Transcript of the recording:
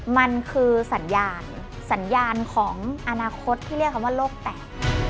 มันคือสัญญาณสัญญาณของอนาคตที่เรียกคำว่าโลกแตก